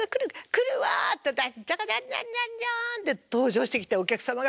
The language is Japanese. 来るわ！」ってジャンジャカジャンジャンジャンって登場してきてお客様が「うわ！」